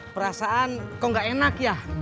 perasaan kok gak enak ya